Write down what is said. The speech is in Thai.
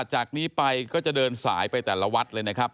จากนี้ไปก็จะเดินสายไปแต่ละวัดเลยนะครับ